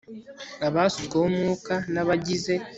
abasutsweho umwuka n abagize